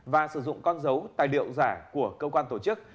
và sử dụng con dấu tài liệu giả của cơ quan tổ chức